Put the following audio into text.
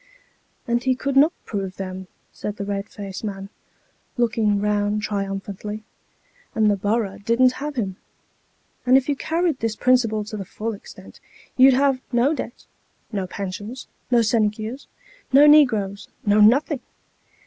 "And he could not prove them," said the red faced man, looking round triumphantly ;" and the borough didn't have him ; and if you 176 Sketches by Boz. carried this principle to the full extent, you'd have no debt, no pensions, no sinecures, no negroes, no nothing.